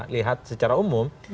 lihat secara umum